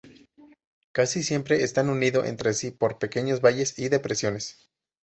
Casi siempre están unido entre sí por pequeños valles y depresiones.